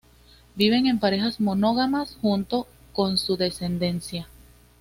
Viven en parejas monógamas, junto con su descendencia.